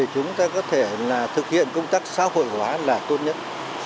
chúng ta có thể là thực hiện công tác xã hội hóa là tốt nhất